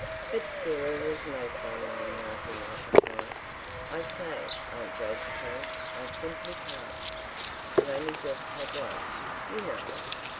But Cyril was most unmanlike in appetite. "I say, Aunt Josephine, I simply can't. I've only just had lunch, you know."